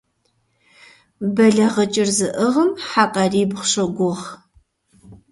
БэлагъыкӀыр зыӀыгъым хьэ къарибгъу щогугъ.